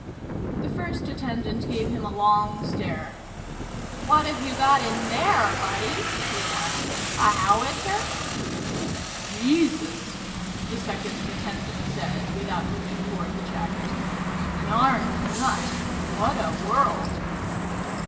The first attendant gave him a long stare. "What've you got in there, buddy?" he asked. "A howitzer?" "Jesus," the second attendant said, without moving toward the jacket. "An armed nut. What a world."